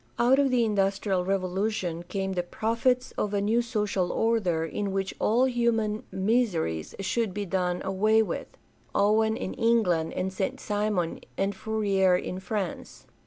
Out of the Industrial Revolution came the prophets of a new social order in which all human miseries should be done away with — Owen in England and St. Simon and Fourier in France.